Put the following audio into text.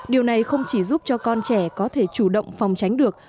điều này không chỉ giúp cho con trẻ có thể chủ động phòng tránh được